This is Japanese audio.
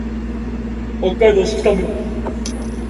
北海道色丹村